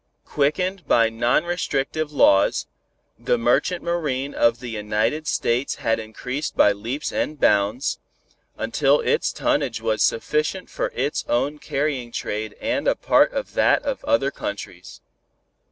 Quickened by non restrictive laws, the Merchant Marine of the United States had increased by leaps and bounds, until its tonnage was sufficient for its own carrying trade and a part of that of other countries.